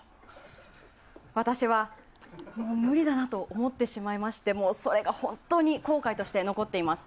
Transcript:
私はもう無理だなと思ってしまいましてそれが本当に後悔として残っています。